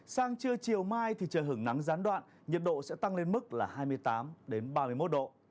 sang trưa chiều mai thì trời hứng nắng gián đoạn nhiệt độ sẽ tăng lên mức là hai mươi tám ba mươi một độ